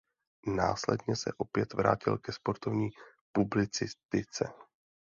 Následně se opět vrátil ke sportovní publicistice.